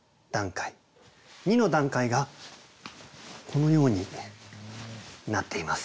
２の段階がこのようになっています。